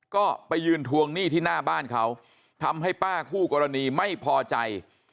ก็ไปยืนทวงหนี้ที่หน้าบ้านเขาทำให้ป้าคู่กรณีไม่พอใจ